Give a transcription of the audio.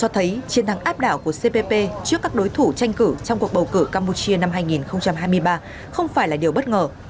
cho thấy chiến thắng áp đảo của cpp trước các đối thủ tranh cử trong cuộc bầu cử campuchia năm hai nghìn hai mươi ba không phải là điều bất ngờ